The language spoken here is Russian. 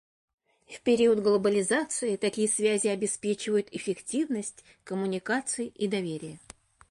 В период глобализации такие связи обеспечивают эффективность коммуникаций и доверие.